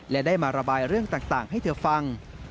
และได้มาระบายเรื่องต่างให้เธอฟัง